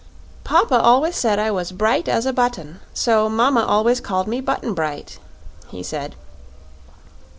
"Papa always said I was bright as a button; so mama always called me Button Bright," he said.